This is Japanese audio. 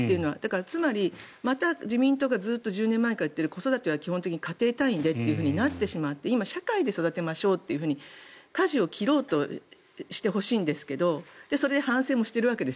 つまり、また自民党がずっと１０年前から言っている子育ては家庭単位となってしまって今、社会で育てましょうというふうにかじを切ろうとしてほしいんですけどそれで反省もしているわけです。